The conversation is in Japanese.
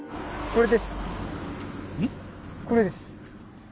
これです。